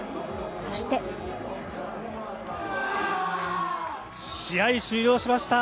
そして試合終了しました。